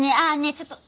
ちょっと。